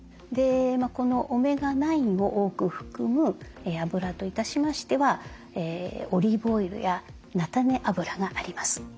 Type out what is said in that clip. このオメガ９を多く含むあぶらといたしましてはオリーブオイルや菜種油があります。